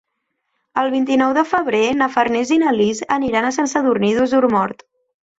El vint-i-nou de febrer na Farners i na Lis aniran a Sant Sadurní d'Osormort.